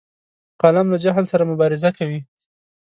قلم له جهل سره مبارزه کوي